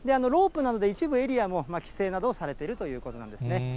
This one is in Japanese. ロープなどで一部エリアも規制などがされているということなんですね。